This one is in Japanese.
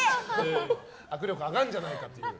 握力上がるんじゃないかという。